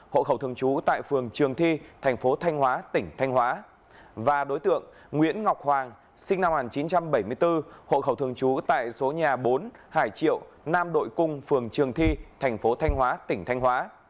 hội khẩu thường trú tại số nhà bốn hải triệu nam đội cung phường trường thi thành phố thanh hóa tỉnh thanh hóa